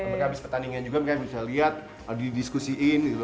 mereka habis pertandingan juga bisa lihat didiskusiin